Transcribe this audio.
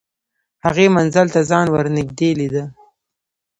هغې منزل ته ځان ور نږدې لیده